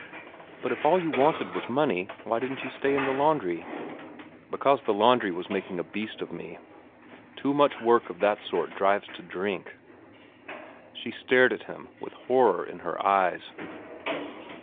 "But if all you wanted was money, why didn't you stay in the laundry?" "Because the laundry was making a beast of me. Too much work of that sort drives to drink." She stared at him with horror in her eyes.